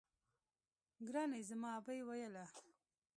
ګراني زما ابۍ ويله